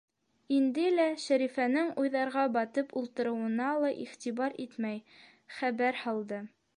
Инде лә, Шәрифәнең уйҙарға батып ултырыуына ла иғтибар итмәй, хәбәр һалды: